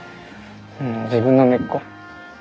自分の根っこ。